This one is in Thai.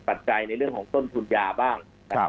ปัจจัยในเรื่องของต้นทุนยาบ้าง